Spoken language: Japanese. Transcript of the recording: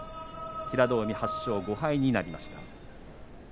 平戸海が８勝５敗になりました。